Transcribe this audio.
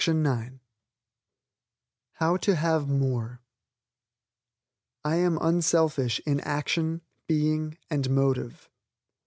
HOW TO HAVE MORE "I Am Unselfish in Action, Being and Motive."